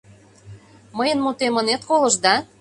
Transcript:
Мыйын мутем ынет колышт, да?